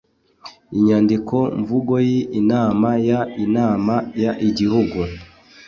inyandiko mvugoy inama y inama y igihugu